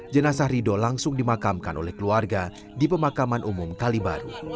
jenazah rido langsung dimakamkan oleh keluarga di pemakaman umum kalibaru